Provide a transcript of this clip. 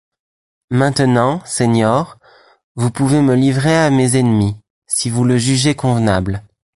Maintenant, señor, vous pouvez me livrer à mes ennemis, si vous le jugez convenable!